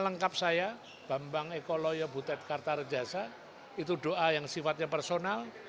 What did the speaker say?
nama lengkap saya bambang eko loyo butet kartar jasa itu doa yang sifatnya personal